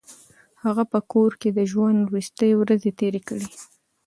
هغه په کور کې د ژوند وروستۍ ورځې تېرې کړې.